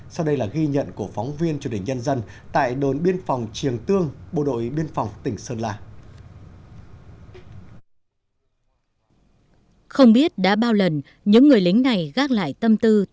sau đây là ghi nhận của phóng viên chủ đề nhân dân tại đồn biên phòng triềng tương bộ đội biên phòng tỉnh sơn là